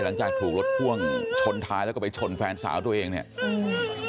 หลังจากถูกรถพ่วงชนท้ายแล้วก็ไปชนแฟนสาวตัวเองเนี่ยอืม